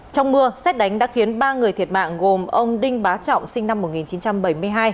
trong mưa xét đánh đã khiến ba người thiệt mạng gồm ông đinh bá trọng sinh năm một nghìn chín trăm bảy mươi hai